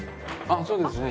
そうですね。